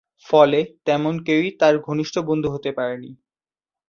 ফলে তেমন কেউই তার ঘনিষ্ঠ বন্ধু হতে পারেনি।